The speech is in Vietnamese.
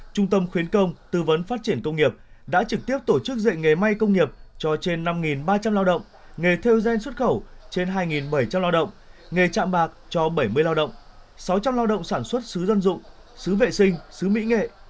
trung tâm khuyến công tư vấn phát triển công nghiệp đã trực tiếp tổ chức dạy nghề may công nghiệp cho trên năm ba trăm linh lao động nghề theo gen xuất khẩu trên hai bảy trăm linh lao động nghề chạm bạc cho bảy mươi lao động sáu trăm linh lao động sản xuất xứ dân dụng xứ vệ sinh xứ mỹ nghệ